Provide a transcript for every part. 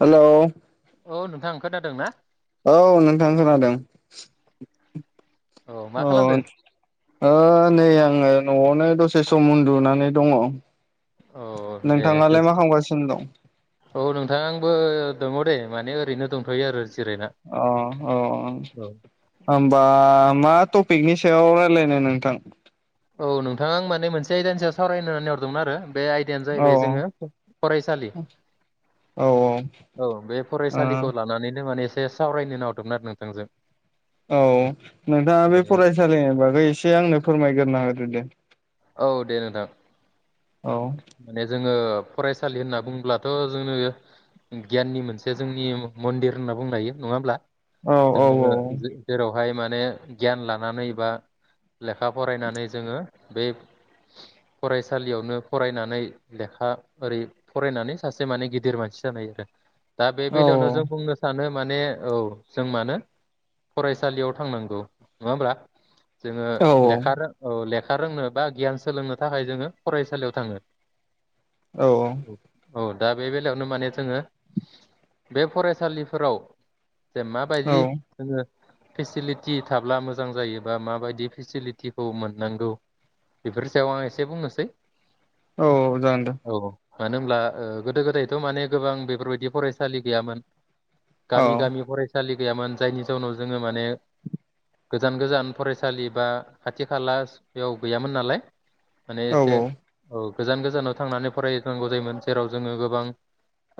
हेल' औ नोंथां खोनादों ना? औ नोंथां खोनादों औ मा अ खालामदों ओ नै आङो न'आवनो दसे सम उन्दुनानै दङ औ दे नोंथाङालाय मा खालामगासिनो दं? औ नोंथां [unintelligible] दङ दे माने ओरैनो दंथ'यो आरो जिरायना अ अ औ होनबा मा थ पिकनि सायाव रायज्लायनो नोंथां औ नोंथाङा आं माने मोनसे आयदानि सायाव सावरायनो होननानै हरदोंमोन आरो बे आयदायानो औ जाहैबाय जोङो फरायसालि औ औ बे फरायसालिखौ लानानै माने एसे सावरायनो नाहरदोंमोन आरो नोंथांजों औ नोंथाङा बे माने फरायसालिनि बागै एसे आंनो फोरमायग्रोना होदो दे औ दे नोंथां औ माने जों जोङो फरायसालि होनना बुंङोब्लाथ' जोङो गियाननि मोनसे जोंनि मन्दिर होनना बुंनो हायो नङा होमब्ला औ औ औ। बेहाय माने गियान लानानै बा लेखा फरायनानै जोंङो बे फरायसालियावनो फरायनानै लेखा ओरै फरायनानै सासे माने गिदिर मानसि जानाय आरो। दा बे औ बेलायावनो जों बुंनो सानो माने औ जों मानो फरायसालियाव थांनांगौ नङा होमब्ला? जोङो औ लेखा रों औ लेखा खा रोंनो बा गियान सोलोंनो थाखाय जोंङो फरायसालियाव थाङो। औ औ। औ दा बे बेलायावनो माने जोङो बे फरायसालिफोराव जे औ माबायदि जोंङो फेसिलिटि थाब्ला मोजां जायोबा माबायदि फेसिलिटिखौ मोननांगौ बेफोरनि सायाव आं एसे बुंनोसै। औ जागोनदे। औ मानो होनब्ला ओ गोदो गोदायथ' माने गोबां बेफोरबायदि फरायसालि गैयामोन। औ गामि गामि फरायसालि गैयामोन जायनि जाउनाव जोंङो माने गोजान गोजान फरायसालि बा खाथि खाला बेयाव गैयामोन नालाय। माने औ एसे औ गोजान गोजानाव थांनानै फरायनांगौ जायोमोन जेराव जोंङो गोबां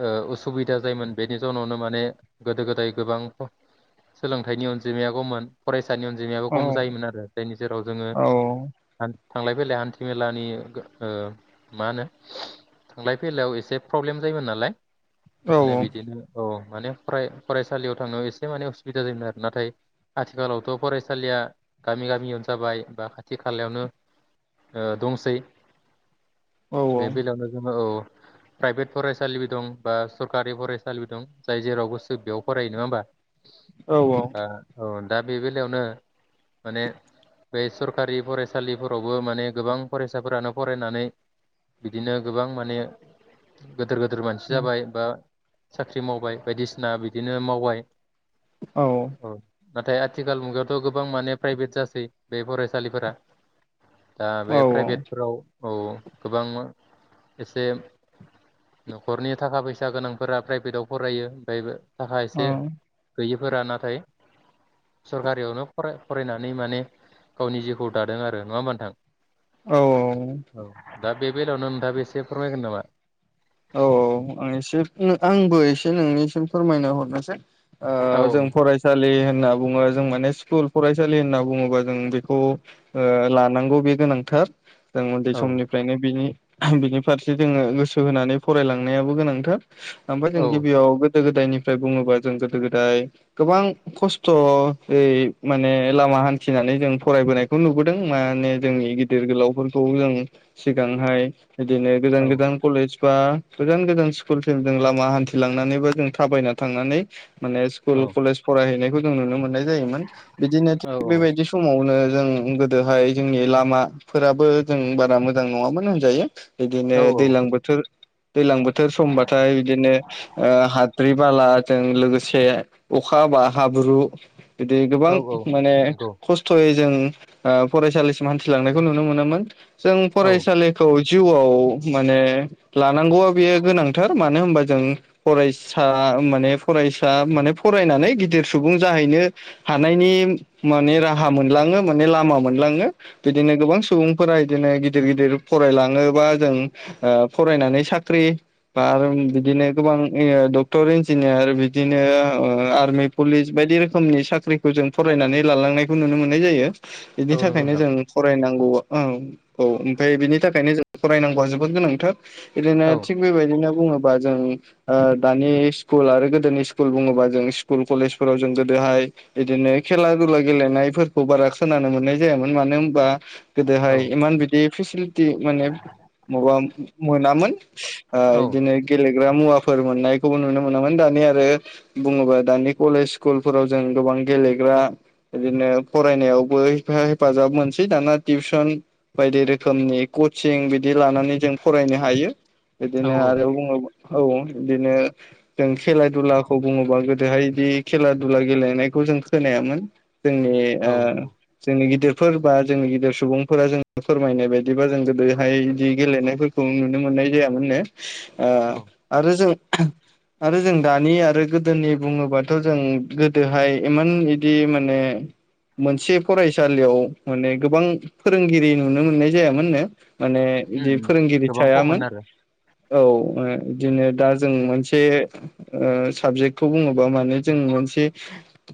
ओ उसुबिदा जायोमोन बेनि जाउनावनो माने गोदो गोदाय गोबां सोलोंथाइनि अनजिमाया गमोन सानि अनजिमायाबो औ खम जायोमोन आरो जायनि जेराव जोंङो औ थांलाय फैलाय हान्थि मेलानि ओ मा होनो थांलाय फैलायाव एसे प्रब्लेम जायोमोन नालाय। माने बिदिनो औ। माने फराय-फरायसालियाव थांनायाव एसे माने उसुबिदा जायोमोन आरो नाथाय आथिखालावथ' फरायसालिया गामि गामियावनो जाबाय बा खा खाथि खालायावनो ओ दंसै। औ बे बेलायावनो जोंङो औ। प्राइभेट फरायसालिबो दं बा सरकारि फरायसालिबो दं जाय जेराव गोसो बेयाव फरायो नङा होमबा? औ औ आ औ। दा बे बेलायावनो माने बे सर सरखारि फरायसालिफोरावबो माने गोबां फरायसाफोरानो फरायनानै बिदिनो गोबां माने गोदोर गोदोर मानसि औ जाबाय बा साख्रि मावबाय बायदिसिना बिदिनो मावबाय। औ। नाथाय आथिखाल मुगायावथ' गोबां माने प्राइभेट जासै बे फरायसा सालिफोरा दा औ बे प्राइभेटफोराव औ गोबां एसे न'खरनि थाखा फैसा गोनांफोरा प्राइभेटाव फरायो ओमफ्रायबो थाखा औ एसे गैयै फोरा नाथाय सरखारियावनो फ फरायनानै माने गावनि जिउखौ दादों आरो नङा होमा औ नोंथां औ दा बे बेलावनो नोंथाङा बेसे फोरमायगोन नामा? औ आं एसे आंबो एसे नोंनिसिम फोरमायनो हरनोसै ओ औ जों फरायसालि होनना बुङो जों माने स्कुल फरायसालि होनना बुङोबा जों बेखौ ओ लानांगौ बे गोनांथार जों उन्दै औ समनिफ्रायनो बिनि बिनि फारसे जोङो गोसो होनानै फरायलांनायाबो गोनांथार ओमफाय जो औ गिबियाव गोदो गोदायनिफ्राय बुङोबा जों गोदो गोदाय गोबां खस्थ'यै माने लामा हान्थिनानै जों फरायबोनायखौ नुबोदों माने जोंनि गिदिर गोलावफोरखौ जों सिगांहाय इदिनो औ गोदान-गोदान कलेज बा गोजान-गोजान स्कुलसिम जों लामा हान्थिलांनानै बा जों थाबायना थांनानै माने औ स्कुल कलेज फरायहैनायखौ जों नुनो मोननाय जायो जायोमोन बिदिनो थिख बेबायदि समावनो जों गोदोहाय जोंनि लामाफोराबो जों बारा मोजां नङामोन होनजायो बिदिनो औ दैज्लां बोथोर दैज्लां बोथोर समबाथाय बिदिनो हाद्रि-बाला जों लोगोसे अखा हाबा हाब्रु बिदि औ गोबां माने नंगौ खस्थ'यै जों फरायसालिसिम हान्थिलांनायखौ नुनो मोनोमोन जों औ फरायसालिखौ जिउआव माने लानांगौआ बेयो गोनांथार मानो होनबा जों फरायसा माने फरायसा माने फरायनानै गिदिर सुबुं जाहैनो हानायनि माने राहा मोनलाङो माने लामा मोनलाङो बिदिनो गोबां सुबुंफोरा बिदिनो गिदिर-गिदिर फरायलाङोब्ला जों फरायनानै साख्रि बा बिदिनो गोबां डक्टर इन्जिनियार बिदिनो आर्मि पुलिस बायदि रोखोमनि साख्रिखौ जों फरायनानै लालांनायखौ नुनो मोननाय जायो औ नंगौ बिनिथाखायनो नोंथां जों फरायनांगौ [unintelligible] ब औ औ ओमफ्राय बेनि थाखायनो जों फरायनांगौआ जोबोद गोनांथार ओरैनो औ थिग बेबायदिनो बुङोबा जों दानि स्कुल आरो गोदोनि स्कुल बुङोबा जों स्कुल कलेजफोराव जों गोदोहाय बिदिनो खेला दुला गेलेनायफोरखौ बारा खोनानो मोननाय जायामोन मानो होनबा औ गोदोहाय इमान बिदि फेसिलिटि माने माबा मोनामोन औ इदिनो गेलेनो गेलेग्रा मुवाफोर मोननायखौबो नुनो मोनोमोन दानि आरो बुङोब्ला दानि कलेज सकुलफोराव जों गोबां गेलेग्रा बिदिनो फरायनायावबो हेफाजाब मोनसै दाना टिउसन बायदि रोखोमनि कचिं बिदि लानानै जों फरायनो हायो औ बेदिनो आरो बुङोब्ला औ बिदिनो जों खेला दुलाखौ बुङोबा गोदोहाय बिदि खेला दुला गेलेनायखौ जों खोनायामोन जोंनि ओ औ नंगौ जोंनि गिदिर फोरबा जोंनि गिदिर सुबुंफोरा जों फोरमायनाय बायदिबा जों गोदोहाय बिदि गेलेनायफोरखौ खौ नुनो मोननाय जायामोननो ओ औ आरो जों आरो जों दानि आरो गोदोनि बुङोबाथ' जों गोदोहाय इमान इदि माने मोनसे फरायसालियाव माने गोबां फोरोंगिरि नुनो मोननाय जायामोननो माने उम इदि उम फोरोंगिरि गोबां खममोन थायामोन आरो औ बिदिनो दा जों मोनसे ओ साबजेक्टखौ बुङोबा माने जों मोनसे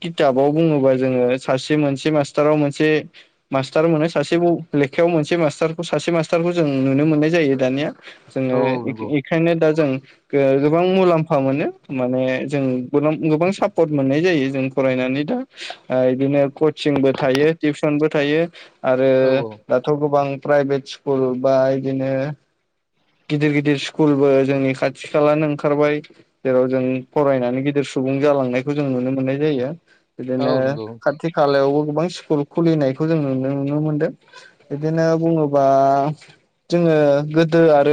किथाबाव बुङोबा जोङो सासे मोनसे मास्टाराव मोनसे मास्टार मोनो सासे लेखायाव मोनसे मास्टारखौ सासे मास्टारखौ जों नुनो मोननाय जायो दानिया औ जोङो औ नंगौ ऐखे-एखायनो दा जों गोबां मुलाम्फा मोनो माने जों गोबां सापर्ट मोननाय जायो जों फरायनानै दा ओ बिदिनो कचिंबो थायो टिउसनबो थायो आरो औ दाथ' गोबां प्राइभेट स्कुल बा बिदिनो गिदिर गिदिर स्कुलबो जोंनि खाथि खालानो ओंखारबाय जेराव जों फरायनानै गिदिर सुबुं जालांनायखौ जों नुनो मोननाय जायो बिदिनो औ नंगौ खाथि खालायावबो गोबां स्कुल खुलिनायखौ जों नुनो नुनो मोन्दों बिदिनो बुङोबा जोङो गो दो आरो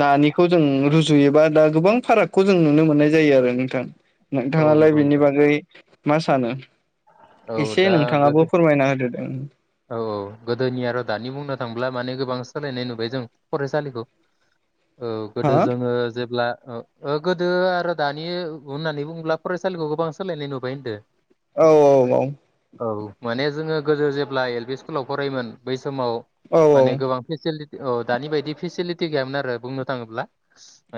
दानिखौ जों रुजुयोबा दा गोबां फारागखौ जों नुनो मोननाय जायो आरो नोंथां औ नोंथाङालाय नंगौ बिनि नोंथां बागै मा सानो औ एसे दा नोंथाङाबो गोदो फोरमायना होदोदे औ औ गोदोनि आरो दानि बुंनो थांब्ला माने गोबां सोलायनाय नुबाय जों फरायसालिखौ औ गोदो हो जोङो जेब्ला ओ‌ गोदो आरो दानि होननानै बुङोब्ला फरायसालिखौ गोबां सोलायनाय नुबाय होनदों औ औ माने जोङो गोदो जे एल एल पि स्कलाव फरायोमोन बै समाव औ माने गोबां फेसिलिटि औ दानि बायदि फेसिलिटि गैयामोन आरो बुंनो थाङोब्ला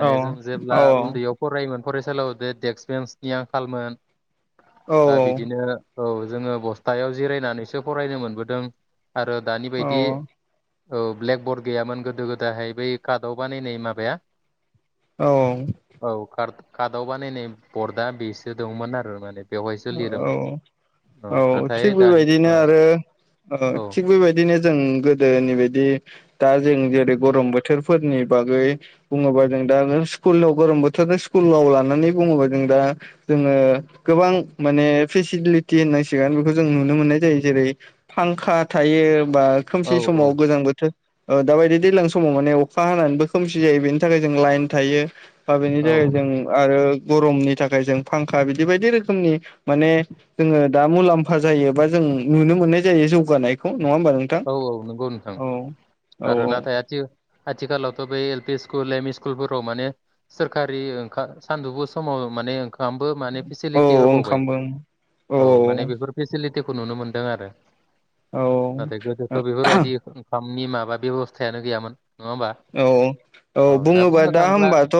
औ जों औ जेब्ला उन्दैयाव फरायोमोन फरायसालियाव दो डेक्स्स बेन्सनि आंखालमोन दा बिदिनो औ जोङो बस्थायाव जिरायनानैसो फरायनो मोनो गुददों आरो दानि औ बायदि औ ब्लेक बरड गैयामोन गोदो गोदाहाय बै कार्डआव बानायनाय माबाया औ औ कार कार्टआवबा न नै बरदा बेसो दंमोन आरो माने बेवहायसो लिरोमोन औ औ थिग नाथाय दानि बेबायदिनो ओ आरो थिग बेबायदिनो जों गोदोनि बायदि दा जों जेरै गरम बोथोरफोरनि बागै बुङोबा जों दा स्कुलाव गरम बोथोर स्कुलाव लानानै बुङोबा जों दा जोङो गोबां माने फेसिलिटि होननांसिगोन बेखौ जों नुनो मोननाय जायो जेरै फांखा थायो बा औ खोमसि औ समाव गोजां बोथोर औ दाबायदि दैज्लां समाव माने अखा हानानैबो खोमसि जायो बेनि थाखाय जों लाइन थायो बा बेनि औ जाय जों आरो गरमनि थाखाय जों फांखा बिदि बायदि रोखोमनि माने जोङो दा मुलाम्फा जायोबा जों नुनो मोननाय जायो जौगानायखौ नङा होमबा नोंथां? औ औ नंगौ नोंथां औ औ आरो नाथाय आथि आथिखालावथ' बे एल पि स्कुल एमइ स्कुलफोराव माने सोरखारि ओं सानदुंफु समाव माने फ्रामबो माने औ फेसिलिटि होबावबाय ओंखामबो औ माने बेफोर फेसिलिटि टिखौ नुनो मोन्दों आरो औ नाथाय गोदोथ' बेफोरबायदि नि माबा बेब'स्थायानो गैयामोन नङा होमबा औ औ बुङोबा दा हबाथ'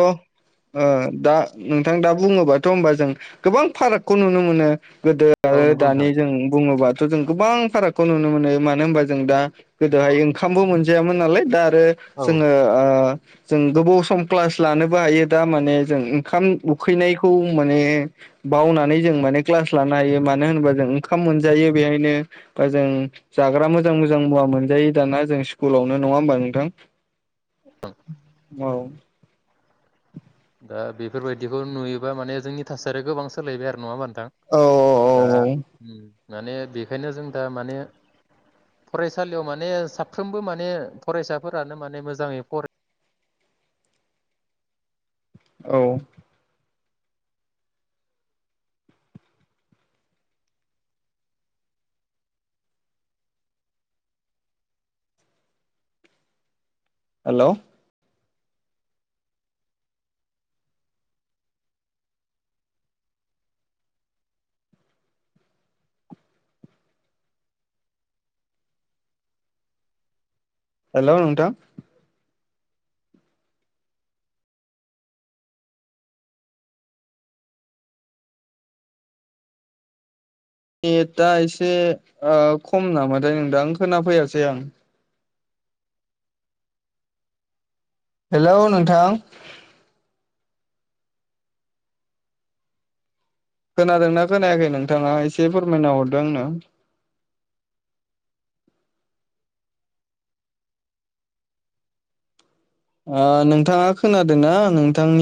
दा नोंथां दा बुङोबाथ' होनबा जों गोबां फारागखौ नुनो मोनो गोदो औ आरो नंगौ दानि नोंथां जों बुङोब्ला थ' जों गोबां फारागखौ नुनो मोनो मानो होनबा जों दा गोदोहाय ओंखामबो मोनजायामोन नालाय दा आरो औ जोङो ओ जों गोबाव सम क्लास लानोबो हायो दा माने जों ओंखाम उखैनायखौ माने बावनानै जों माने क्लास लानो हायो मानो होनोबा जों ओंखाम मोनजायो बेहायनो बा जों जाग्रा मोजां मोजां मुवा मोनजायो दाना जों स्कुलावनो नङा होमबा नोंथां [inaudible] औ दा बेफोरबायदिखौ नुयोबा माने जोंनि थासारिया गोबां सोलायबाय आरो नङाबानो थां औ दा औ माने बेखायनो जों दा माने फरायसालियाव माने साफ्रोमबो माने फरायसाफोरानो माने मोजाङै फराय औ हेल' हेल' नोंथां। नेटआ एसे ओ खम नामाथाय नोंदां खोनाफैयासै आं। हेल' नोंथां। खोनादों ना खोनायाखै नोंथाङा एसे फोरमायना हरदो आंनो। ओ नोंथाङा खोनादोंना नोंथांनि